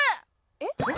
えっ？